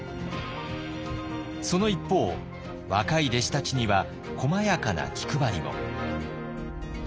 その一方若い弟子たちにはこまやかな気配りも。